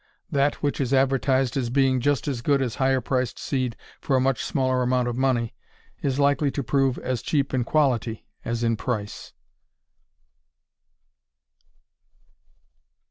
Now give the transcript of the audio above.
Cheap seed that which is advertised as being "just as good as higher priced seed for a much smaller amount of money" is likely to prove as cheap in quality as in price.